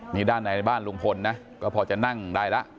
นี่ด้านในบ้านลุงพลนะก็พอจะนั่งได้แล้ว